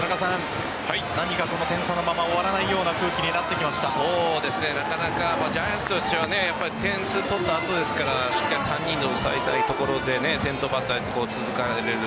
何かこの点差のまま終わらないような雰囲気になかなかジャイアンツは点数を取った後ですからしっかり３人で抑えたいところで先頭バッターに続かれる。